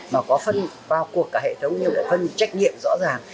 mà có phân vào cuộc cả hệ thống như một phân trách nhiệm rõ ràng